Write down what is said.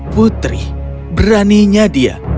putri beraninya dia